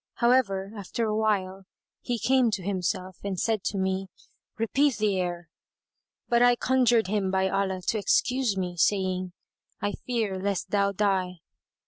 However, after a while, he came to himself, and said to me, "Repeat the air." But I conjured him by Allah to excuse me, saying, "I fear lest thou die."